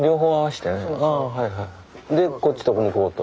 でこっちと向こうと。